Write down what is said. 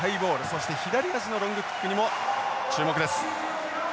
そして左足のロングキックにも注目です。